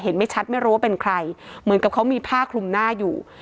ไม่ชัดไม่รู้ว่าเป็นใครเหมือนกับเขามีผ้าคลุมหน้าอยู่